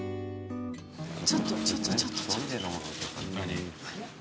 ちょっとちょっとちょっとちょっと。